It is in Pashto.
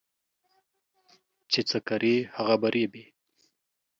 چي څه کرې ، هغه به رېبې.